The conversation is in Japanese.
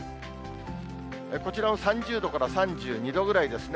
こちらは３０度から３２度ぐらいですね。